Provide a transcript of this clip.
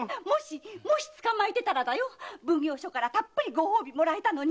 もし捕まえてたら奉行所からたっぷりご褒美もらえたのに！